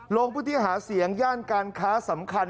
โรงพฤทธิหาเสียงย่านการค้าสำคัญ